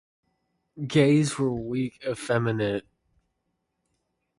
Gays were weak, effeminate.